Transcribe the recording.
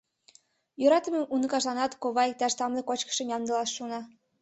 Йӧратыме уныкажланат кова иктаж тамле кочкышым ямдылаш шона.